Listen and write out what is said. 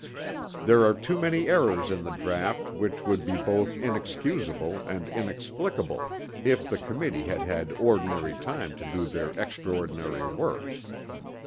There are too many errors in the draught which would be both inexcusable and inexplicable if the Committee had had ordinary time to do their extraordinary work.